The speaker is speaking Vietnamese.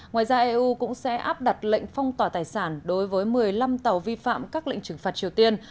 ngoài ra eu cũng sẽ áp đặt lệnh phong tỏa tài sản đối với một mươi năm tàu vi phạm các lệnh trừng phạt triều tiên